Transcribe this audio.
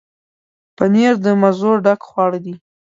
پنېر د مزو ډک خواړه دي.